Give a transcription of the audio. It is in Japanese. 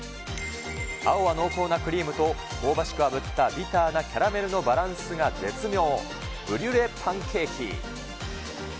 青は濃厚なクリームと、香ばしくあぶったビターなキャラメルのバランスが絶妙、ブリュレパンケーキ。